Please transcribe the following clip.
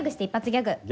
ギャグ？